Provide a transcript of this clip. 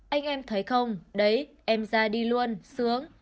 anh em thấy không đấy em ra đi luôn sướng